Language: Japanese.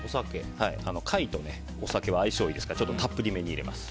貝とお酒は相性がいいですからちょっとたっぷりめに入れます。